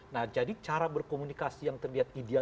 nah jadi cara berkomunikasi yang terlihat ideal